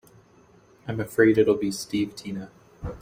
I'm afraid it'll be Steve Tina.